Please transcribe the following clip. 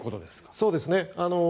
そうですね。